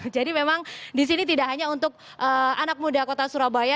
jadi memang disini tidak hanya untuk anak muda kota surabaya